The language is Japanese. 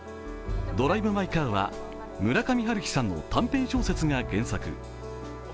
「ドライブ・マイ・カー」は村上春樹さんの短編小説が原作。